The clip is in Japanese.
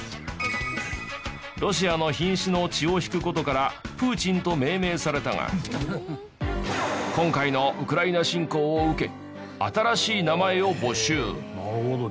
ロシアの品種の血を引く事から「プーチン」と命名されたが今回のウクライナ侵攻を受けなるほど。